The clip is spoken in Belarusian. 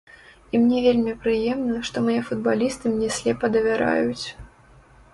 І мне вельмі прыемна, што мае футбалісты мне слепа давяраюць.